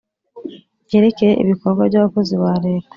byerekeye ibikorwa by’abakozi ba leta,